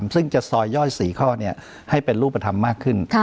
ซึ่งจะซอยย่อย๔ข้อให้เป็นรูปธรรมมากขึ้น